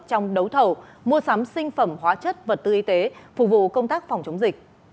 trong đấu thầu mua sắm sinh phẩm hóa chất vật tư y tế phục vụ công tác phòng chống dịch